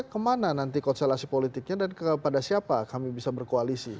kemana nanti konstelasi politiknya dan kepada siapa kami bisa berkoalisi